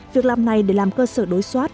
việc làm này để làm cơ sở đối soát